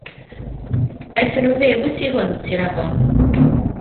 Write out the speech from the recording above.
Aethon nhw i fyw y tu hwnt i'r afon.